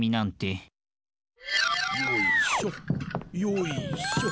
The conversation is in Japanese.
よいしょよいしょ。